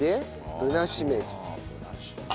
ぶなしめじ。